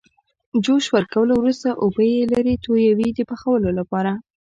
جوش ورکولو وروسته اوبه یې لرې تویوي د پخولو لپاره.